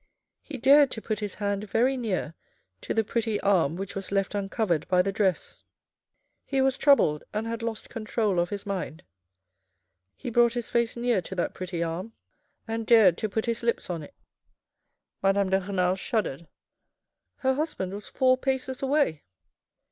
He dared to put his hand very near to the pretty arm which was left uncovered by the dress. He was troubled and had lost control of his mind. He brought his face near to that pretty arm and dared to put his lips on it. Madame de Renal shuddered. Her husband was four paces away.